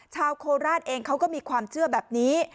ชาวโคราชเองเขาก็มีความเชื่อแบบนี้